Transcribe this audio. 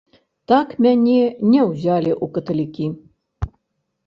Так мяне не ўзялі ў каталікі.